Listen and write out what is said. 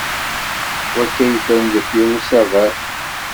Wakka yeffren deffir usaber?